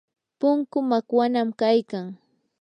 punkuu makwanam kaykan.